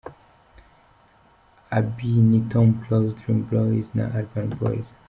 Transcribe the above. Abi ni Tom Close, Dream Boys na Urban Boys.